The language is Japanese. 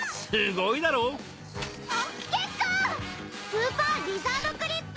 スーパー・リザード・グリップ！